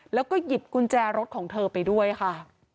แล้วก็หยิบกุญแจรถของเธอไปด้วยค่ะ